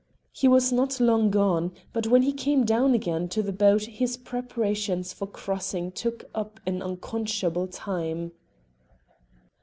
He was not long gone, but when he came down again to the boat his preparations for crossing took up an unconscionable time.